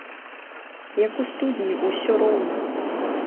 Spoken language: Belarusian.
Як у студні ўсё роўна.